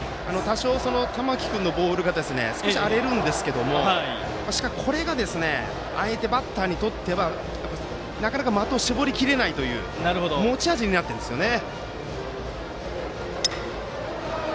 玉木君のボールが少し荒れるんですがこれが相手バッターにとってはなかなか的を絞りきれないという持ち味になっているんですよね。